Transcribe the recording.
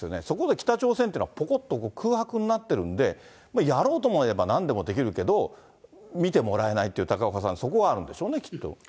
そこで北朝鮮っていうのは、ぽこっと空白になってるんで、やろうと思えばなんでもできるけど、見てもらえないという、高岡さん、そこがあるんでしょうね、きっと。